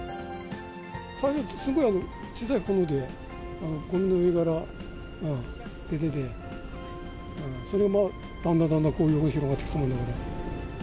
最初、すごい小さい炎でごみの上から出てて、それがだんだんだんだん、こういうふうに広がってきたものだから。